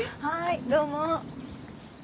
はいどうも。